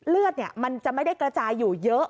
เลือดมันจะไม่ได้กระจายอยู่เยอะ